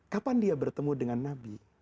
kapan dia bertemu dengan nabi